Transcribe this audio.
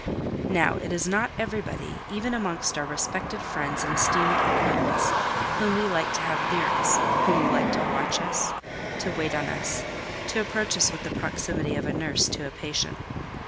Now it is not everybody, even amongst our respected friends and esteemed acquaintance, whom we like to have near us, whom we like to watch us, to wait on us, to approach us with the proximity of a nurse to a patient.